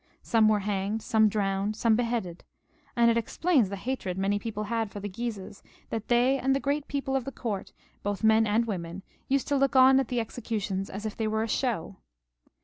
Some were hanged, some drowned, some beheaded ; and it explains the hatred many people had for the Guises, that they and the great people of the court, both men and women, used to look on at the executions as if they were a show.